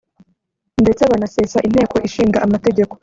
ndetse banasesa Inteko Ishinga Amategeko